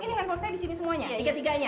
ini handphone saya di sini semuanya tiga tiganya